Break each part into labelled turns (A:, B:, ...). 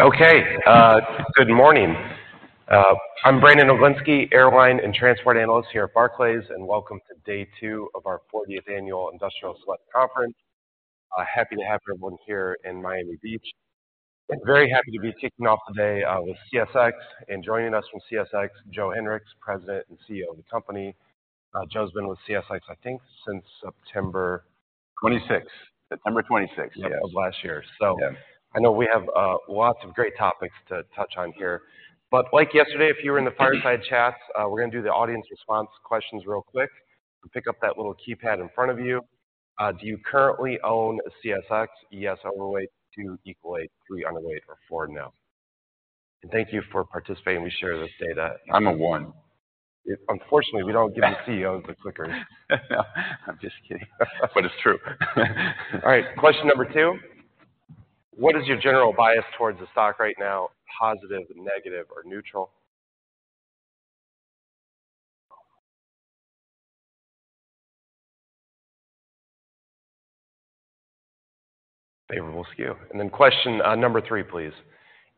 A: Okay. good morning. I'm Brandon Oglenski, airline and transport analyst here at Barclays. Welcome to day two of our 40th Annual Industrials Select Conference. Happy to have everyone here in Miami Beach, and very happy to be kicking off the day with CSX. Joining us from CSX, Joe Hinrichs, President and CEO of the company. Joe's been with CSX, I think, since September-
B: 26 September. Twenty-sixth, yes.
A: Of last year, so.
B: Yeah.
A: I know we have lots of great topics to touch on here. Like yesterday, if you were in the fireside chats, we're gonna do the audience response questions real quick. Pick up that little keypad in front of you. Do you currently own CSX? Yes, overweight, two, equal weight, three, underweight, or four, no. Thank you for participating. We share this data.
B: I'm a one.
A: Unfortunately, we don't give the CEOs the clickers.
B: I'm just kidding.
A: It's true. All right, question number two. What is your general bias towards the stock right now? Positive, negative, or neutral? Favorable skew. Question number three, please.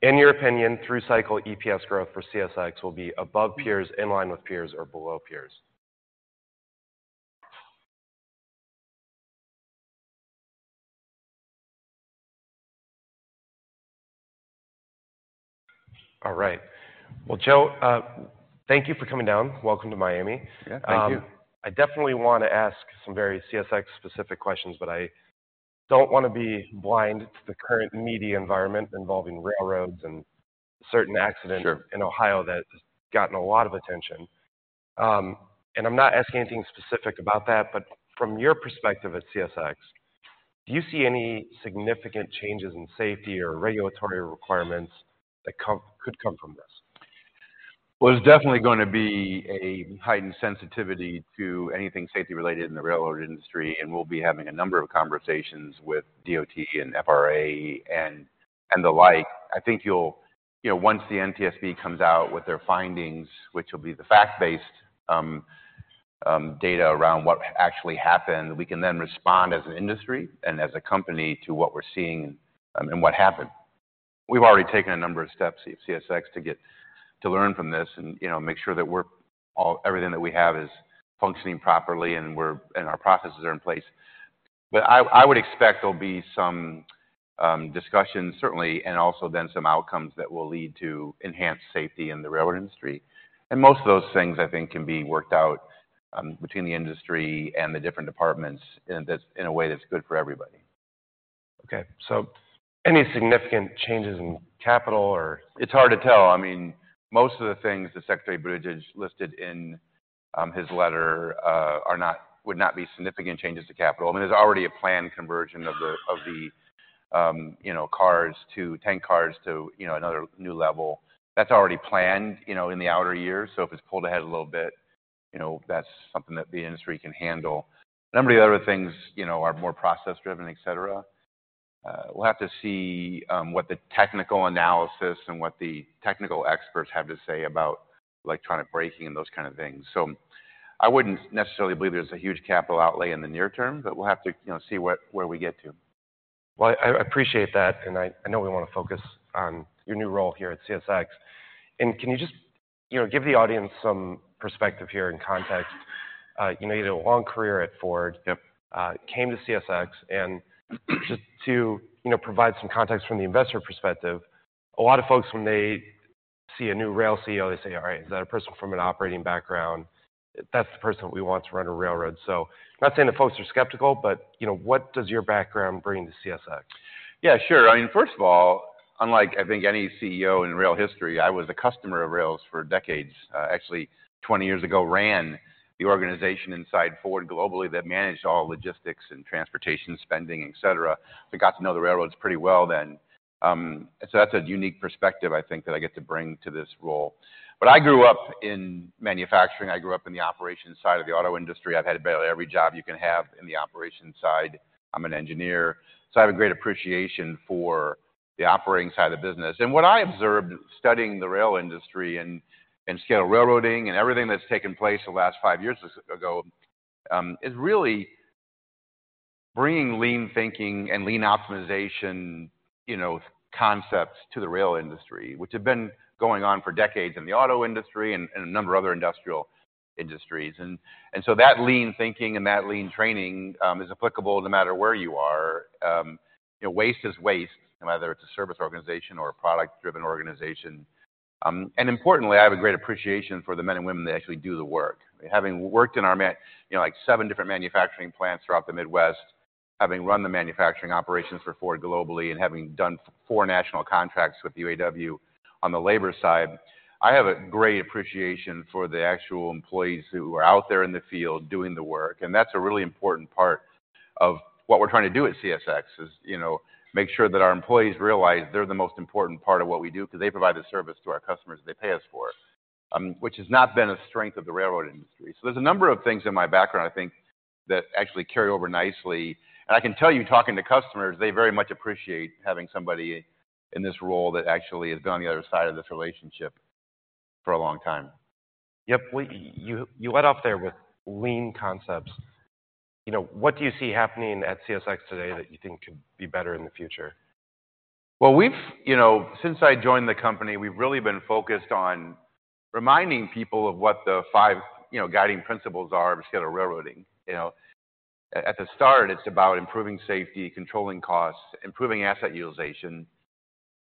A: In your opinion, through cycle EPS growth for CSX will be above peers, in line with peers, or below peers? All right. Well, Joe, thank you for coming down. Welcome to Miami.
B: Yeah, thank you.
A: I definitely wanna ask some very CSX specific questions. I don't wanna be blind to the current media environment involving railroads and certain accidents.
B: Sure.
A: -in Ohio that has gotten a lot of attention. I'm not asking anything specific about that, but from your perspective at CSX, do you see any significant changes in safety or regulatory requirements that could come from this?
B: There's definitely gonna be a heightened sensitivity to anything safety related in the railroad industry, and we'll be having a number of conversations with DOT and FRA and the like. You know, once the NTSB comes out with their findings, which will be the fact-based data around what actually happened, we can then respond as an industry and as a company to what we're seeing and what happened. We've already taken a number of steps at CSX to learn from this and, you know, make sure that everything that we have is functioning properly and our processes are in place. I would expect there'll be some discussions, certainly, and also then some outcomes that will lead to enhanced safety in the railroad industry. Most of those things, I think, can be worked out, between the industry and the different departments in a way that's good for everybody.
A: Okay. Any significant changes in capital or?
B: It's hard to tell. I mean, most of the things that Secretary Buttigieg listed in his letter would not be significant changes to capital. I mean, there's already a planned conversion of the you know cars to tank cars to you know another new level. That's already planned, you know, in the outer years. If it's pulled ahead a little bit, you know, that's something that the industry can handle. A number of the other things, you know, are more process driven, et cetera. We'll have to see what the technical analysis and what the technical experts have to say about electronic braking and those kind of things. I wouldn't necessarily believe there's a huge capital outlay in the near term, but we'll have to, you know, see where we get to.
A: Well, I appreciate that. I know we wanna focus on your new role here at CSX. Can you just, you know, give the audience some perspective here and context. You know, you had a long career at Ford...
B: Yep.
A: Came to CSX and just to, you know, provide some context from the investor perspective, a lot of folks when they see a new rail CEO, they say, "All right, is that a person from an operating background? That's the person we want to run a railroad." I'm not saying that folks are skeptical, but, you know, what does your background bring to CSX?
B: Yeah, sure. I mean, first of all, unlike, I think, any CEO in rail history, I was a customer of rails for decades. Actually 20 years ago, ran the organization inside Ford globally that managed all logistics and transportation spending, et cetera. I got to know the railroads pretty well then. That's a unique perspective, I think, that I get to bring to this role. I grew up in manufacturing. I grew up in the operations side of the auto industry. I've had about every job you can have in the operations side. I'm an engineer, so I have a great appreciation for the operating side of the business. What I observed studying the rail industry and scale railroading and everything that's taken place the last five years ago, is really bringing lean thinking and lean optimization, you know, concepts to the rail industry, which have been going on for decades in the auto industry and in a number of other industrial industries. That lean thinking and that lean training is applicable no matter where you are. You know, waste is waste, whether it's a service organization or a product driven organization. Importantly, I have a great appreciation for the men and women that actually do the work. Having worked in our, you know, like, seven different manufacturing plants throughout the Midwest, having run the manufacturing operations for Ford globally and having done four national contracts with UAW on the labor side, I have a great appreciation for the actual employees who are out there in the field doing the work. That's a really important part of what we're trying to do at CSX is, you know, make sure that our employees realize they're the most important part of what we do because they provide a service to our customers they pay us for, which has not been a strength of the railroad industry. There's a number of things in my background, I think, that actually carry over nicely. I can tell you, talking to customers, they very much appreciate having somebody in this role that actually has been on the other side of this relationship. For a long time.
A: Yep. Well, you led off there with lean concepts. You know, what do you see happening at CSX today that you think could be better in the future?
B: Well, you know, since I joined the company, we've really been focused on reminding people of what the five, you know, guiding principles are of scheduled railroading, you know. At the start, it's about improving safety, controlling costs, improving asset utilization,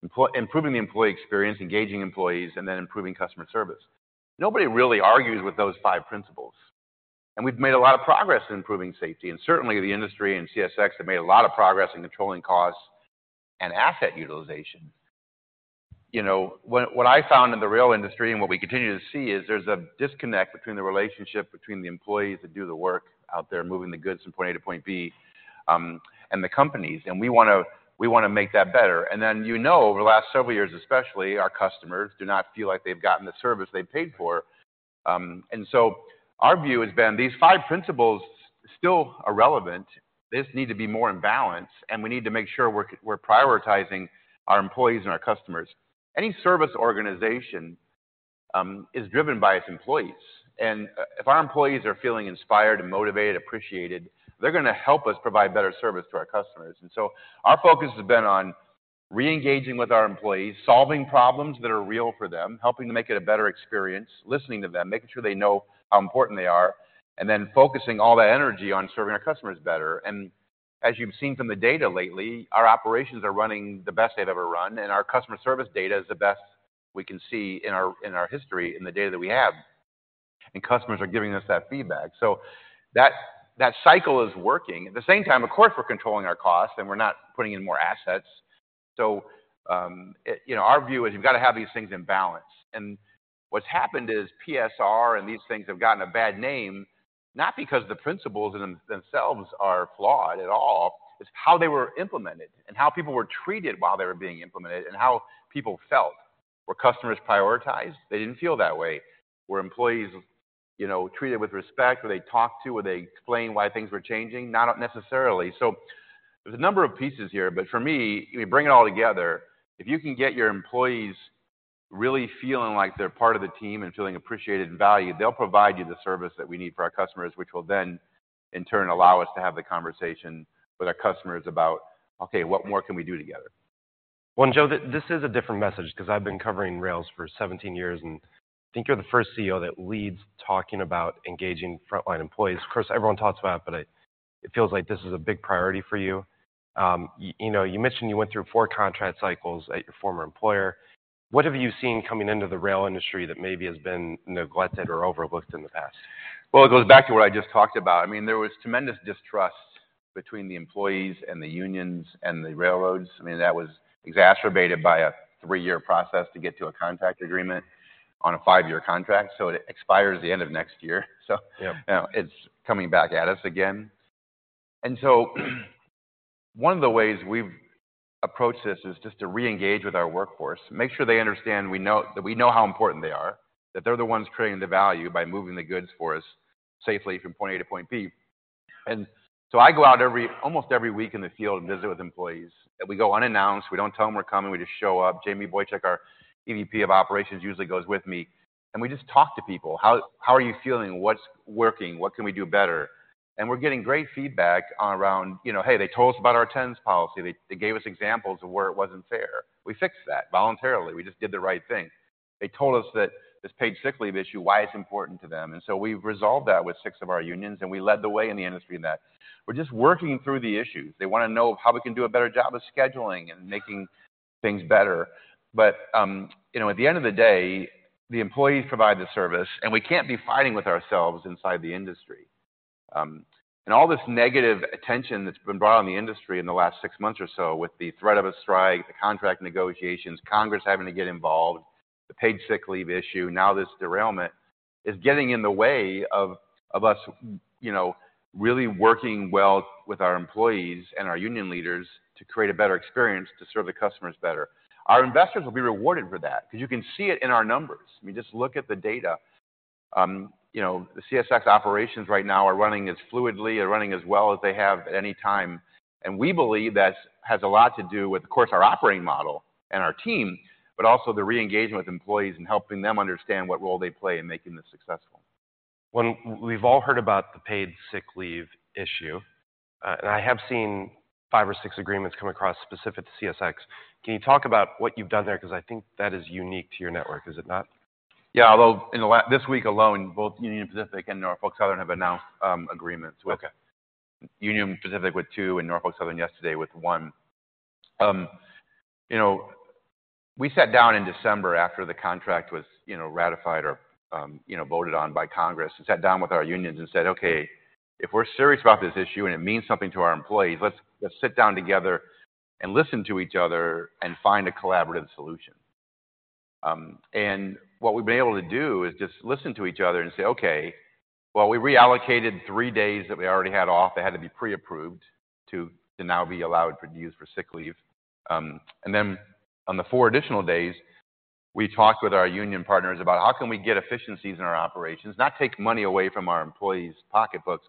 B: improving the employee experience, engaging employees, and then improving customer service. Nobody really argues with those five principles. We've made a lot of progress in improving safety, and certainly the industry and CSX have made a lot of progress in controlling costs and asset utilization. You know, what I found in the rail industry and what we continue to see is there's a disconnect between the relationship between the employees that do the work out there, moving the goods from point A to point B, and the companies, and we wanna make that better. You know, over the last several years especially, our customers do not feel like they've gotten the service they paid for. Our view has been these five principles still are relevant. They just need to be more in balance, and we need to make sure we're prioritizing our employees and our customers. Any service organization is driven by its employees. If our employees are feeling inspired and motivated, appreciated, they're gonna help us provide better service to our customers. Our focus has been on re-engaging with our employees, solving problems that are real for them, helping to make it a better experience, listening to them, making sure they know how important they are, and then focusing all that energy on serving our customers better. As you've seen from the data lately, our operations are running the best they've ever run, and our customer service data is the best we can see in our history, in the data that we have. Customers are giving us that feedback. That cycle is working. At the same time, of course, we're controlling our costs, and we're not putting in more assets. You know, our view is you've got to have these things in balance. What's happened is PSR and these things have gotten a bad name, not because the principles in themselves are flawed at all. It's how they were implemented and how people were treated while they were being implemented and how people felt. Were customers prioritized? They didn't feel that way. Were employees, you know, treated with respect? Were they talked to? Were they explained why things were changing? Not necessarily. There's a number of pieces here, but for me, you bring it all together. If you can get your employees really feeling like they're part of the team and feeling appreciated and valued, they'll provide you the service that we need for our customers, which will then in turn allow us to have the conversation with our customers about, okay, what more can we do together?
A: Well, Joe, this is a different message because I've been covering rails for 17 years, and I think you're the first CEO that leads talking about engaging frontline employees. Of course, everyone talks about it, but it feels like this is a big priority for you. You know, you mentioned you went through four contract cycles at your former employer. What have you seen coming into the rail industry that maybe has been neglected or overlooked in the past?
B: Well, it goes back to what I just talked about. I mean, there was tremendous distrust between the employees and the unions and the railroads. I mean, that was exacerbated by a three-year process to get to a contract agreement on a five-year contract, so it expires the end of next year.
A: Yeah.
B: You know, it's coming back at us again. One of the ways we've approached this is just to reengage with our workforce, make sure they understand that we know how important they are, that they're the ones creating the value by moving the goods for us safely from point A to point B. I go out almost every week in the field and visit with employees. We go unannounced. We don't tell them we're coming. We just show up. Jamie Boychuk, our EVP of operations, usually goes with me, and we just talk to people. How are you feeling? What's working? What can we do better? We're getting great feedback around, you know, hey, they told us about our demurrage policy. They gave us examples of where it wasn't fair. We fixed that voluntarily. We just did the right thing. They told us that this paid sick leave issue, why it's important to them. We've resolved that with six of our unions, and we led the way in the industry in that. We're just working through the issues. They wanna know how we can do a better job of scheduling and making things better. You know, at the end of the day, the employees provide the service, and we can't be fighting with ourselves inside the industry. All this negative attention that's been brought on the industry in the last six months or so with the threat of a strike, the contract negotiations, Congress having to get involved, the paid sick leave issue, now this derailment, is getting in the way of us, you know, really working well with our employees and our union leaders to create a better experience to serve the customers better. Our investors will be rewarded for that because you can see it in our numbers. I mean, just look at the data. You know, the CSX operations right now are running as fluidly or running as well as they have at any time. We believe that has a lot to do with, of course, our operating model and our team, but also the re-engagement with employees and helping them understand what role they play in making this successful.
A: We've all heard about the paid sick leave issue. I have seen five or six agreements come across specific to CSX. Can you talk about what you've done there? Because I think that is unique to your network, is it not?
B: Yeah. Although in this week alone, both Union Pacific and Norfolk Southern have announced agreements with-
A: Okay.
B: Union Pacific with two and Norfolk Southern yesterday with one. You know, we sat down in December after the contract was, you know, ratified or, you know, voted on by Congress and sat down with our unions and said, "Okay, if we're serious about this issue and it means something to our employees, let's sit down together and listen to each other and find a collaborative solution." What we've been able to do is just listen to each other and say, "Okay, well, we reallocated three days that we already had off that had to be pre-approved to now be allowed for use for sick leave." On the four additional days, we talked with our union partners about how can we get efficiencies in our operations, not take money away from our employees' pocketbooks.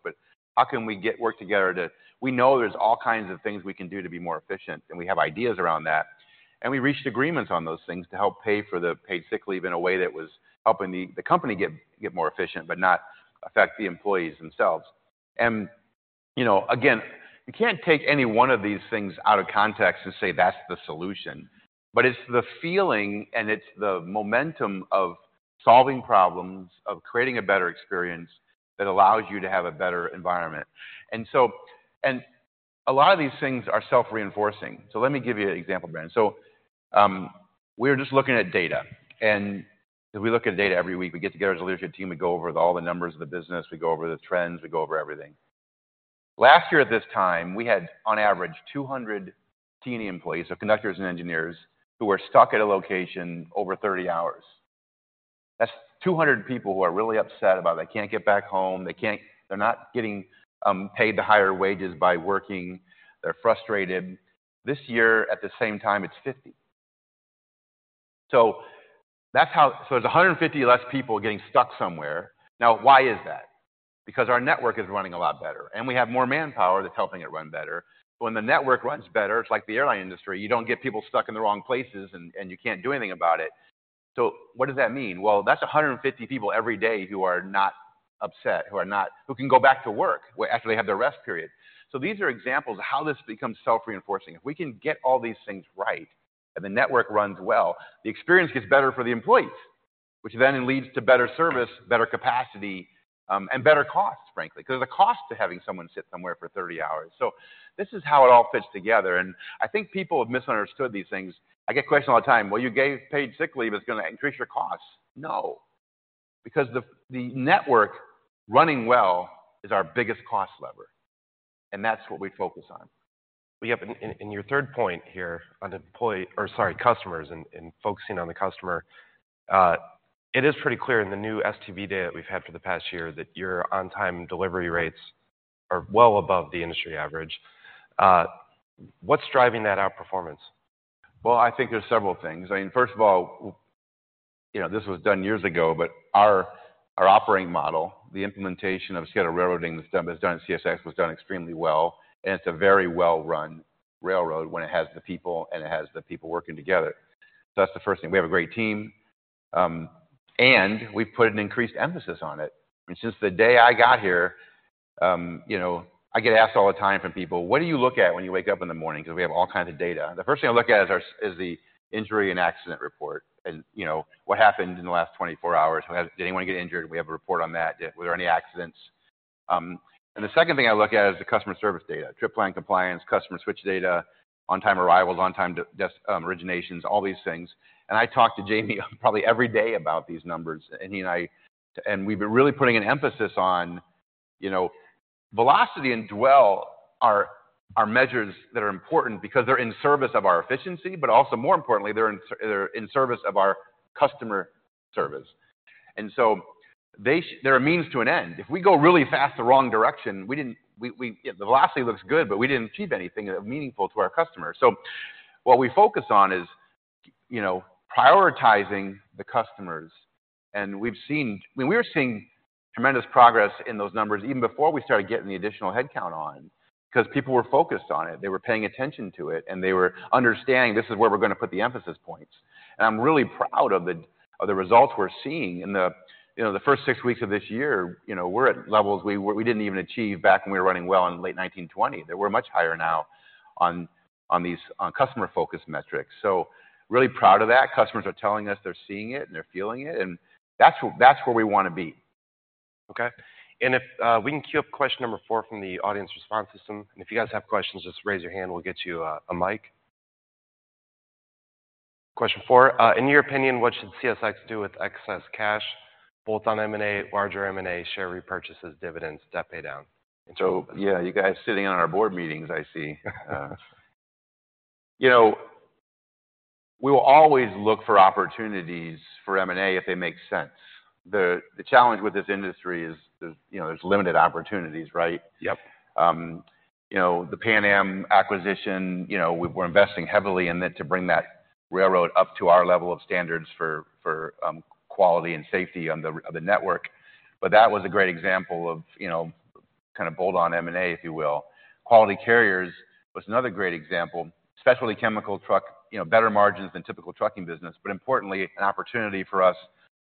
B: How can we get work together? We know there's all kinds of things we can do to be more efficient, and we have ideas around that. We reached agreements on those things to help pay for the paid sick leave in a way that was helping the company get more efficient, but not affect the employees themselves. You know, again, you can't take any one of these things out of context and say that's the solution. It's the feeling and it's the momentum of solving problems, of creating a better experience that allows you to have a better environment. A lot of these things are self-reinforcing. Let me give you an example, Brandon. We're just looking at data, and we look at data every week. We get together as a leadership team, we go over all the numbers of the business, we go over the trends, we go over everything. Last year at this time, we had on average 200 senior employees, so conductors and engineers, who were stuck at a location over 30 hours. That's 200 people who are really upset about they can't get back home, they're not getting paid the higher wages by working. They're frustrated. This year, at the same time, it's 50. It's 150 less people getting stuck somewhere. Why is that? Because our network is running a lot better, and we have more manpower that's helping it run better. When the network runs better, it's like the airline industry. You don't get people stuck in the wrong places and you can't do anything about it. What does that mean? Well, that's 150 people every day who are not upset, who are not who can go back to work after they have their rest period. These are examples of how this becomes self-reinforcing. If we can get all these things right and the network runs well, the experience gets better for the employees, which then leads to better service, better capacity, and better costs, frankly, because there's a cost to having someone sit somewhere for 30 hours. This is how it all fits together, and I think people have misunderstood these things. I get questioned all the time, "Well, you gave paid sick leave, it's gonna increase your costs." No, because the network running well is our biggest cost lever, and that's what we focus on.
A: Yep. Your third point here on customers and focusing on the customer, it is pretty clear in the new STB data that we've had for the past year that your on-time delivery rates are well above the industry average. What's driving that outperformance?
B: I think there's several things. First of all, this was done years ago, our operating model, the implementation of scheduled railroading that was done at CSX was done extremely well, and it's a very well-run railroad when it has the people working together. That's the first thing. We have a great team, and we've put an increased emphasis on it. Since the day I got here, I get asked all the time from people, "What do you look at when you wake up in the morning?" Because we have all kinds of data. The first thing I look at is the injury and accident report and what happened in the last 24 hours. Did anyone get injured? We have a report on that. Were there any accidents? The second thing I look at is the customer service data, trip plan compliance, customer switch data, on-time arrivals, on-time originations, all these things. I talk to Jamie probably every day about these numbers, he and I and we've been really putting an emphasis on, you know, velocity and dwell are measures that are important because they're in service of our efficiency, but also more importantly, they're in service of our customer service. They're a means to an end. If we go really fast the wrong direction, we didn't the velocity looks good, but we didn't achieve anything meaningful to our customers. What we focus on is, you know, prioritizing the customers, I mean, we were seeing tremendous progress in those numbers even before we started getting the additional headcount on because people were focused on it. They were paying attention to it, and they were understanding this is where we're gonna put the emphasis points. I'm really proud of the results we're seeing. In the, you know, the first six weeks of this year, you know, we're at levels we didn't even achieve back when we were running well in late 2020. That we're much higher now on customer focus metrics. Really proud of that. Customers are telling us they're seeing it and they're feeling it, that's where we wanna be.
A: Okay. If we can queue up question number four from the audience response system. If you guys have questions, just raise your hand, we'll get you a mic. Question four, in your opinion, what should CSX do with excess cash, both on M&A, larger M&A, share repurchases, dividends, debt pay down?
B: Yeah, you guys sitting in on our board meetings, I see. You know, we will always look for opportunities for M&A if they make sense. The challenge with this industry is there's, you know, there's limited opportunities, right?
A: Yep.
B: You know, the Pan Am acquisition, you know, we're investing heavily in it to bring that railroad up to our level of standards for, quality and safety on the network. That was a great example of, you know, kind of bolt-on M&A, if you will. Quality Carriers was another great example, especially chemical truck, you know, better margins than typical trucking business, but importantly, an opportunity for us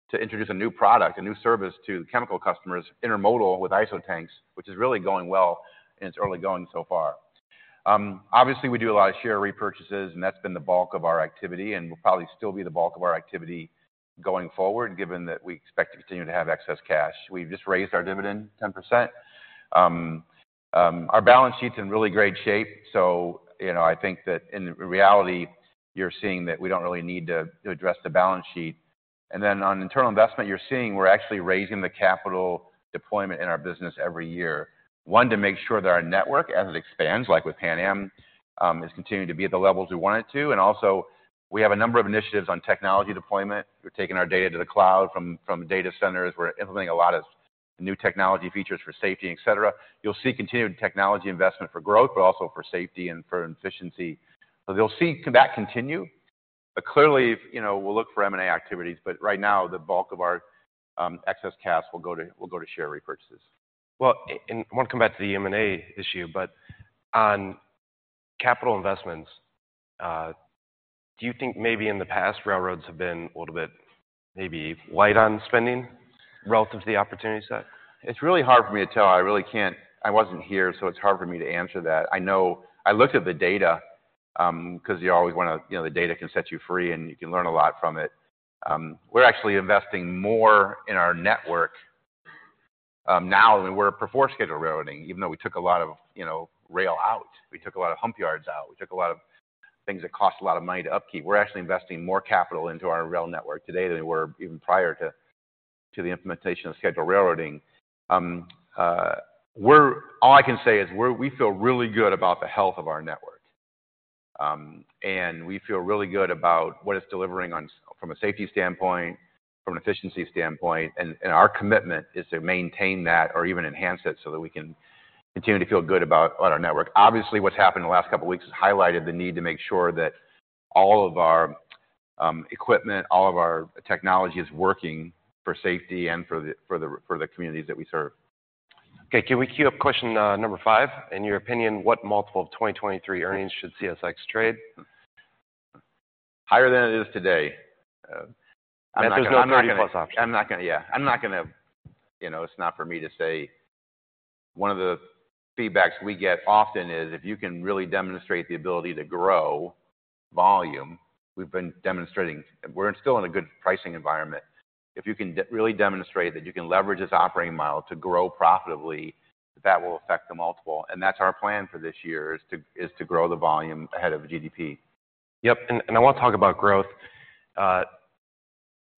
B: to introduce a new product, a new service to the chemical customers, intermodal with ISO tanks, which is really going well in its early going so far. Obviously, we do a lot of share repurchases, and that's been the bulk of our activity and will probably still be the bulk of our activity going forward, given that we expect to continue to have excess cash. We've just raised our dividend 10%. Our balance sheet's in really great shape. You know, I think that in reality, you're seeing that we don't really need to address the balance sheet. On internal investment, you're seeing we're actually raising the capital deployment in our business every year. One, to make sure that our network, as it expands, like with Pan Am, is continuing to be at the levels we want it to. Also, we have a number of initiatives on technology deployment. We're taking our data to the cloud from data centers. We're implementing a lot of new technology features for safety, et cetera. You'll see continued technology investment for growth, but also for safety and for efficiency. You'll see that continue. But clearly, you know, we'll look for M&A activities, but right now the bulk of our excess cash will go to share repurchases.
A: Well, I want to come back to the M&A issue, but on capital investments, do you think maybe in the past, railroads have been a little bit maybe light on spending relative to the opportunity set?
B: It's really hard for me to tell. I really wasn't here, so it's hard for me to answer that. I know I looked at the data, 'cause you always wanna, you know, the data can set you free, and you can learn a lot from it. We're actually investing more in our network, now than we were before scheduled railroading, even though we took a lot of, you know, rail out. We took a lot of hump yards out. We took a lot of things that cost a lot of money to upkeep. We're actually investing more capital into our rail network today than we were even prior to the implementation of scheduled railroading. All I can say is we feel really good about the health of our network. We feel really good about what it's delivering on from a safety standpoint, from an efficiency standpoint, and our commitment is to maintain that or even enhance it so that we can continue to feel good about our network. Obviously, what's happened in the last couple weeks has highlighted the need to make sure that all of our equipment, all of our technology is working for safety and for the communities that we serve.
A: Okay, can we queue up question, number five? In your opinion, what multiple of 2023 earnings should CSX trade?
B: Higher than it is today.
A: There's no 30+ option.
B: I'm not gonna. Yeah. I'm not gonna, you know, it's not for me to say. One of the feedbacks we get often is if you can really demonstrate the ability to grow volume, we've been demonstrating. We're still in a good pricing environment. If you can really demonstrate that you can leverage this operating model to grow profitably, that will affect the multiple. That's our plan for this year is to grow the volume ahead of GDP.
A: Yep, I wanna talk about growth. I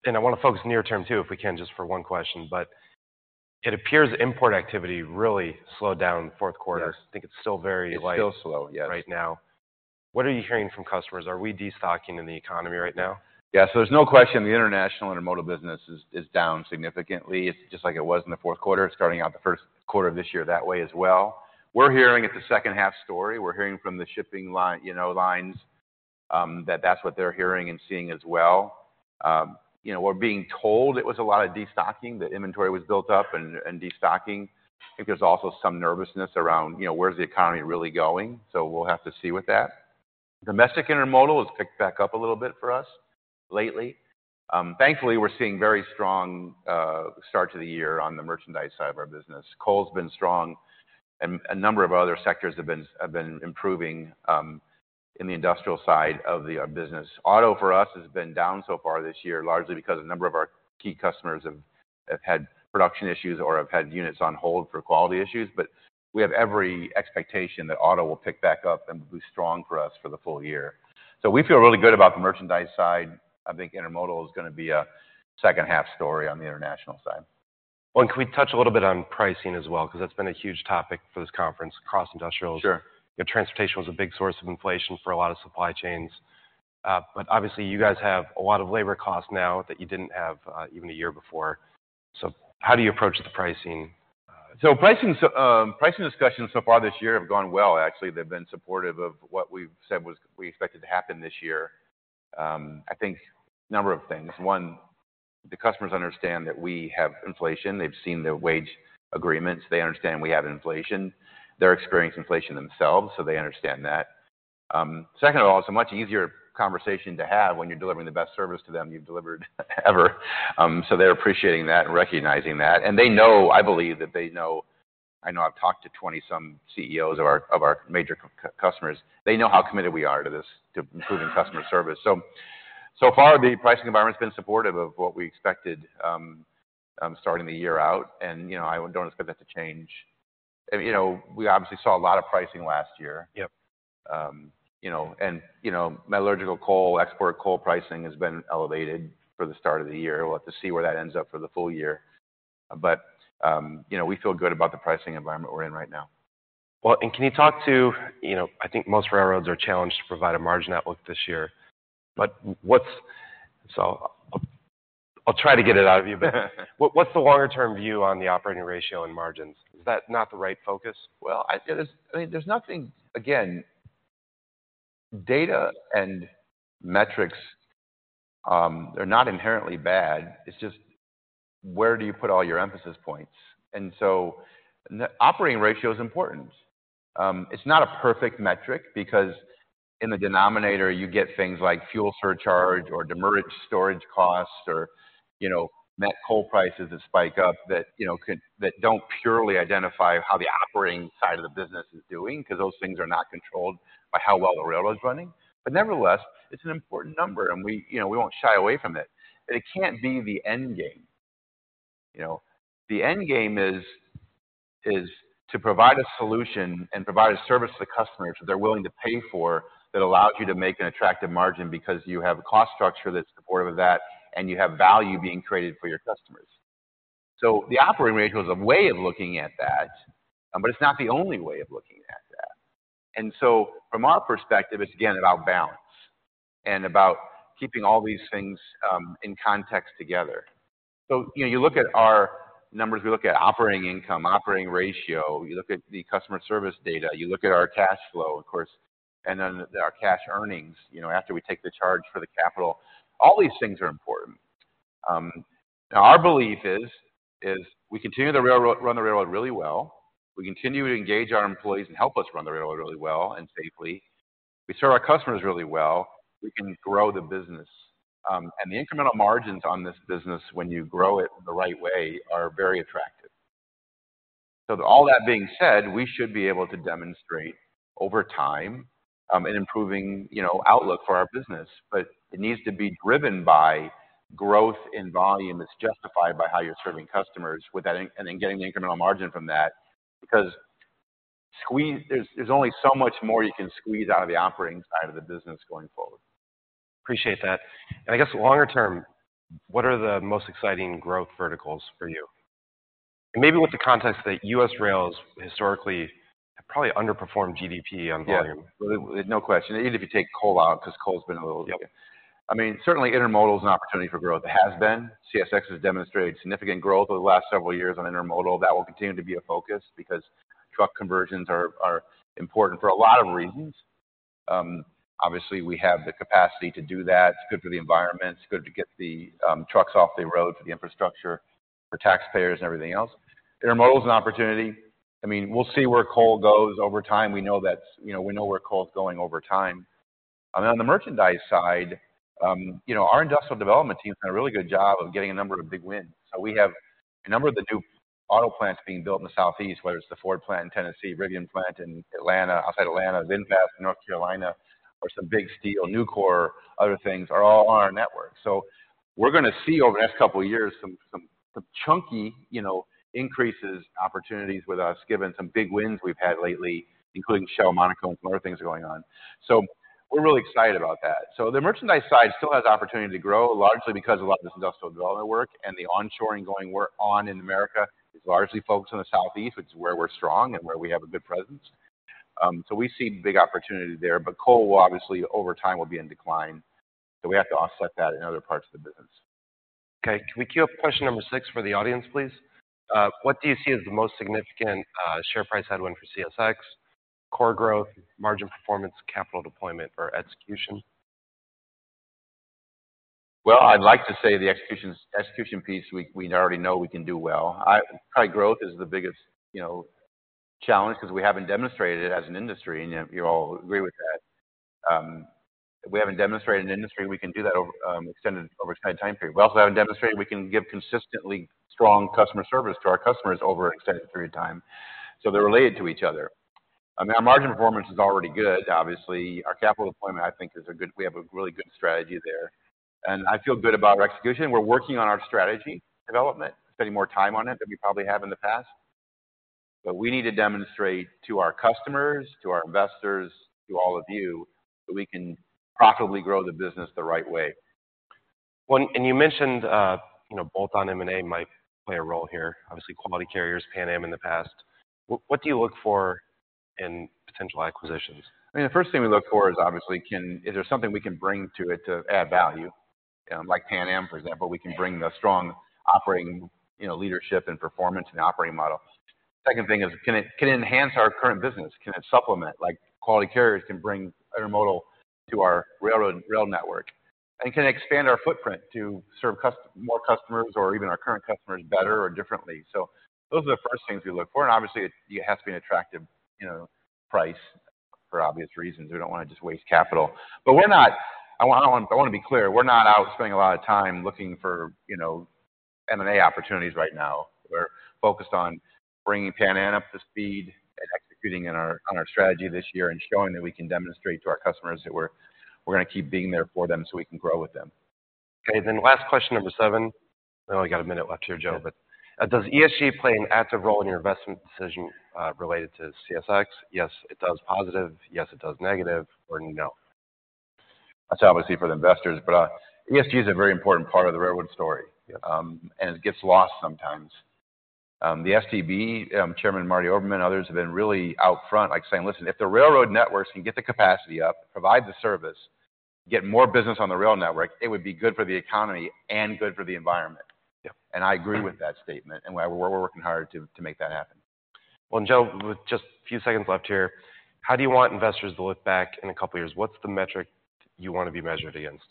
A: wanna focus near term too, if we can, just for one question. It appears import activity really slowed down Q4.
B: Yes.
A: I think it's still very light-
B: It's still slow, yes.
A: Right now. What are you hearing from customers? Are we destocking in the economy right now?
B: There's no question the international intermodal business is down significantly. It's just like it was in the Q4. It's starting out the Q1 of this year that way as well. We're hearing it's a second half story. We're hearing from the shipping line, you know, lines, that that's what they're hearing and seeing as well. You know, we're being told it was a lot of destocking, that inventory was built up and destocking. I think there's also some nervousness around, you know, where's the economy really going? We'll have to see with that. Domestic intermodal has picked back up a little bit for us lately. Thankfully, we're seeing very strong start to the year on the merchandise side of our business. Coal's been strong, a number of other sectors have been improving in the industrial side of the business. Auto, for us, has been down so far this year, largely because a number of our key customers have had production issues or have had units on hold for quality issues. We have every expectation that auto will pick back up and be strong for us for the full year. We feel really good about the merchandise side. I think intermodal is gonna be a second half story on the international side.
A: Well, can we touch a little bit on pricing as well? 'Cause that's been a huge topic for this conference across industrials.
B: Sure.
A: You know, transportation was a big source of inflation for a lot of supply chains. Obviously you guys have a lot of labor costs now that you didn't have, even a year before. How do you approach the pricing?
B: Pricing discussions so far this year have gone well, actually. They've been supportive of what we've said we expected to happen this year. I think number of things. One, the customers understand that we have inflation. They've seen the wage agreements. They understand we have inflation. They're experiencing inflation themselves, so they understand that. Second of all, it's a much easier conversation to have when you're delivering the best service to them you've delivered ever. They're appreciating that and recognizing that. They know, I believe that I know I've talked to 20 some CEOs of our major customers. They know how committed we are to this, to improving customer service. So far, the pricing environment's been supportive of what we expected, starting the year out and, you know, I don't expect that to change. You know, we obviously saw a lot of pricing last year.
A: Yep.
B: You know, you know, metallurgical coal, export coal pricing has been elevated for the start of the year. We'll have to see where that ends up for the full year. You know, we feel good about the pricing environment we're in right now.
A: Well, can you talk to, you know, I think most railroads are challenged to provide a margin outlook this year. I'll try to get it out of you. What's the longer term view on the operating ratio and margins? Is that not the right focus?
B: Well, again, data and metrics, they're not inherently bad. It's just where do you put all your emphasis points? The operating ratio is important. It's not a perfect metric because in the denominator, you get things like fuel surcharge or demurrage storage costs or, you know, met coal prices that spike up that, you know, that don't purely identify how the operating side of the business is doing, 'cause those things are not controlled by how well the rail is running. Nevertheless, it's an important number and we, you know, we won't shy away from it. It can't be the end game, you know? The end game is to provide a solution and provide a service to the customers that they're willing to pay for, that allows you to make an attractive margin because you have a cost structure that's supportive of that, and you have value being created for your customers. The operating ratio is a way of looking at that, but it's not the only way of looking at that. From our perspective, it's again about balance and about keeping all these things in context together. You know, you look at our numbers, we look at operating income, operating ratio, you look at the customer service data, you look at our cash flow, of course, and then our cash earnings, you know, after we take the charge for the capital. All these things are important. Our belief is, we continue to run the railroad really well, we continue to engage our employees and help us run the railroad really well and safely, we serve our customers really well, we can grow the business. The incremental margins on this business when you grow it the right way are very attractive. All that being said, we should be able to demonstrate over time, an improving, you know, outlook for our business. It needs to be driven by growth in volume that's justified by how you're serving customers with that and then getting the incremental margin from that because squeeze. There's only so much more you can squeeze out of the operating side of the business going forward.
A: Appreciate that. I guess longer term, what are the most exciting growth verticals for you? Maybe with the context that U.S. rails historically have probably underperformed GDP on volume.
B: Yes. No question. Even if you take coal out because coal's been a little...
A: Yep.
B: I mean, certainly intermodal is an opportunity for growth. It has been. CSX has demonstrated significant growth over the last several years on intermodal. That will continue to be a focus because truck conversions are important for a lot of reasons. Obviously, we have the capacity to do that. It's good for the environment. It's good to get the trucks off the road for the infrastructure, for taxpayers and everything else. Intermodal is an opportunity. I mean, we'll see where coal goes over time. We know that's, you know, we know where coal's going over time. On the merchandise side, you know, our industrial development team's done a really good job of getting a number of big wins. We have a number of the new auto plants being built in the Southeast, whether it's the Ford plant in Tennessee, Rivian plant in Atlanta, outside Atlanta, VinFast in North Carolina, or some big steel, Nucor, other things are all on our network. We're gonna see over the next couple of years some chunky, you know, increases opportunities with us, given some big wins we've had lately, including Shell Polymers Monaca and some other things going on. We're really excited about that. The merchandise side still has opportunity to grow, largely because a lot of this industrial development work and the onshoring going work on in America is largely focused on the Southeast. It's where we're strong and where we have a good presence. We see big opportunity there. Coal will obviously over time will be in decline, so we have to offset that in other parts of the business.
A: Okay. Can we queue up question number six for the audience, please? What do you see as the most significant share price headwind for CSX? Core growth, margin performance, capital deployment, or execution?
B: Well, I'd like to say the execution piece, we already know we can do well. Probably growth is the biggest, you know, challenge because we haven't demonstrated it as an industry, and you all agree with that. We haven't demonstrated in the industry we can do that over extended time period. We also haven't demonstrated we can give consistently strong customer service to our customers over an extended period of time, so they're related to each other. I mean, our margin performance is already good. Obviously, our capital deployment, I think, is good. We have a really good strategy there. I feel good about our execution. We're working on our strategy development, spending more time on it than we probably have in the past. We need to demonstrate to our customers, to our investors, to all of you, that we can profitably grow the business the right way.
A: You mentioned, you know, bolt-on M&A might play a role here, obviously Quality Carriers, Pan Am in the past. What do you look for in potential acquisitions?
B: I mean, the first thing we look for is obviously is there something we can bring to it to add value? Like Pan Am, for example, we can bring the strong operating, you know, leadership and performance in the operating model. Second thing is, can it, can it enhance our current business? Can it supplement like Quality Carriers can bring intermodal to our railroad, rail network? Can it expand our footprint to serve more customers or even our current customers better or differently? Those are the first things we look for. Obviously, it has to be an attractive, you know, price for obvious reasons. We don't want to just waste capital. We're not I want to be clear, we're not out spending a lot of time looking for, you know, M&A opportunities right now. We're focused on bringing Pan Am up to speed and executing on our strategy this year and showing that we can demonstrate to our customers that we're gonna keep being there for them so we can grow with them.
A: Okay. Last question, number seven. We only got a minute left here, Joe. Does ESG play an active role in your investment decision, related to CSX? Yes, it does positive, yes, it does negative, or no.
B: That's obviously for the investors, but ESG is a very important part of the railroad story.
A: Yeah.
B: It gets lost sometimes. The STB, Chairman Martin Oberman and others have been really out front, like saying, "Listen, if the railroad networks can get the capacity up, provide the service, get more business on the rail network, it would be good for the economy and good for the environment.
A: Yeah.
B: I agree with that statement, and we're working hard to make that happen.
A: Well, Joe, with just a few seconds left here, how do you want investors to look back in a couple of years? What's the metric you want to be measured against?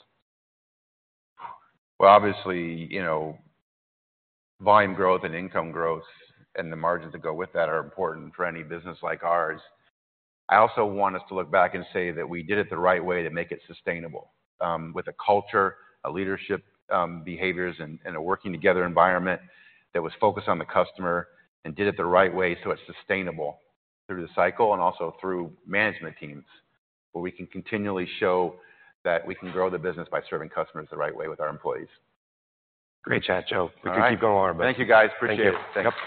B: Obviously, you know, volume growth and income growth and the margins that go with that are important for any business like ours. I also want us to look back and say that we did it the right way to make it sustainable, with a culture, a leadership, behaviors, and a working together environment that was focused on the customer and did it the right way so it's sustainable through the cycle and also through management teams, where we can continually show that we can grow the business by serving customers the right way with our employees.
A: Great chat, Joe.
B: All right.
A: We could keep going longer, but-
B: Thank you, guys. Appreciate it.
A: Thank you. Thanks.